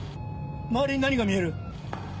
周りに何が見える？